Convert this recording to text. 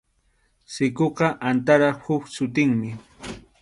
Sikuqa antarap huk sutinmi.